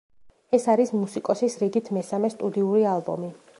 ეს არის მუსიკოსის რიგით მესამე სტუდიური ალბომი.